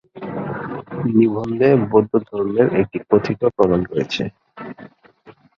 নিবন্ধে বৌদ্ধ কর্মের একটি কথিত প্রমাণ রয়েছে।